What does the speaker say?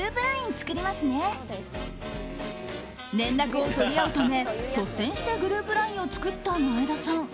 連絡を取り合うため率先してグループＬＩＮＥを作った前田さん。